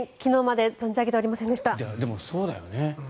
でもそうだよね。